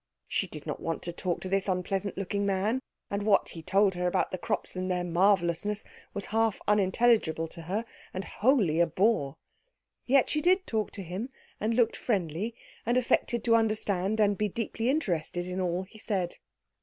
She did not want to talk to this unpleasant looking man, and what he told her about the crops and their marvellousness was half unintelligible to her and wholly a bore. Yet she did talk to him, and looked friendly, and affected to understand and be deeply interested in all he said.